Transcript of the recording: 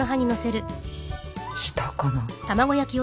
下かな。